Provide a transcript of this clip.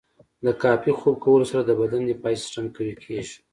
د کافي خوب کولو سره د بدن دفاعي سیستم قوي کیږي.